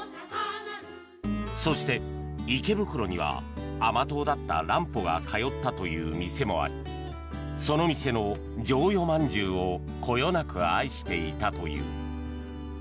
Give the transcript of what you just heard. そして池袋には甘党だった乱歩が通ったという店もありその店の薯蕷饅頭をこよなく愛していたという。